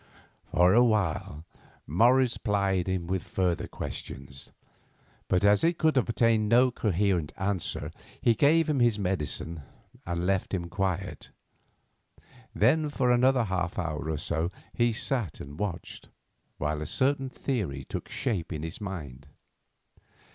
For a while Morris plied him with further questions; but as he could obtain no coherent answer, he gave him his medicine and left him quiet. Then for another half hour or so he sat and watched, while a certain theory took shape in his mind.